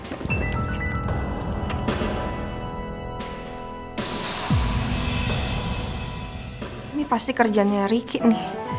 ini pasti kerjanya ricky nih